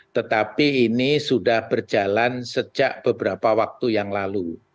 tetapi ini sudah berjalan sejak beberapa waktu yang lalu